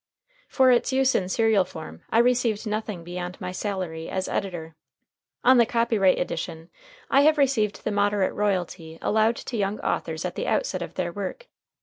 For its use in serial form I received nothing beyond my salary as editor. On the copyright edition I have received the moderate royalty allowed to young authors at the outset of their work.